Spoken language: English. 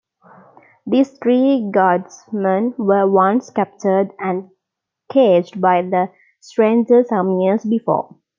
These three Guardsmen were once captured and caged by the Stranger some years before.